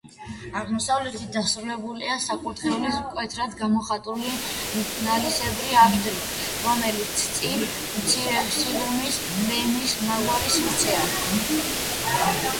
აღმოსავლეთით დასრულებულია საკურთხევლის მკვეთრად გამოხატული ნალისებრი აფსიდით, რომლის წინ მცირე სიღრმის ბემის მაგვარი სივრცეა.